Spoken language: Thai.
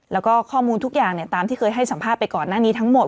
แล้วก็ข้อมูลทุกอย่างตามที่เคยให้สัมภาษณ์ไปก่อนหน้านี้ทั้งหมด